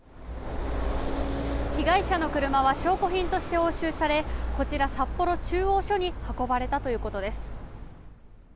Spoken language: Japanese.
被害者の車は証拠品として押収されこちら札幌中央署に運ばれたということです。